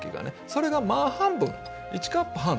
それが半分１カップ半で。